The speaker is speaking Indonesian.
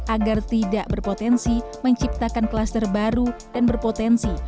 agar tidak berpotensi menciptakan kluster baru dan berpotensi